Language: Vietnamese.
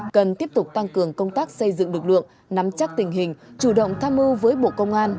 cần tiếp tục tăng cường công tác xây dựng lực lượng nắm chắc tình hình chủ động tham mưu với bộ công an